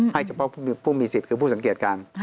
เฉพาะผู้มีสิทธิ์คือผู้สังเกตการ